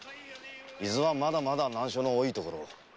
伊豆はまだまだ難所の多い所。